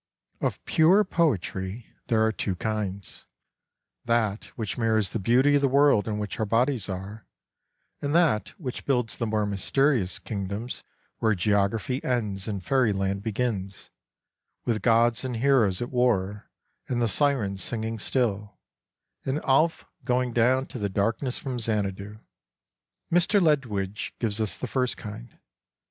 Of pure poetry there are two kinds, that which mirrors the beauty of the world in which our bodies are, and that which builds the more mysterious kingdoms where geography ends and fairyland begins, with gods and heroes at war, and the sirens singing still, and Alph go ing down to the darkness from Xanadu. Mr. Ledwidge gives us the first kind.